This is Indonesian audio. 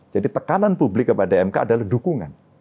jadi tekanan publik kepada mk adalah dukungan